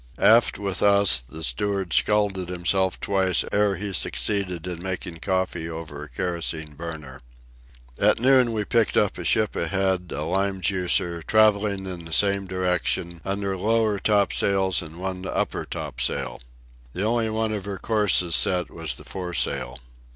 Aft, with us, the steward scalded himself twice ere he succeeded in making coffee over a kerosene burner. At noon we picked up a ship ahead, a lime juicer, travelling in the same direction, under lower topsails and one upper topsail. The only one of her courses set was the foresail.